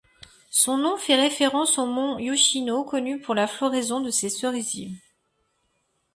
Son nom fait référence au Mont Yoshino, connu pour la floraison de ses cerisiers.